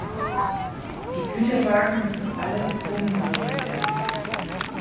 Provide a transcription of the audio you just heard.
Die Güterwagen mussten alle umnummeriert werden.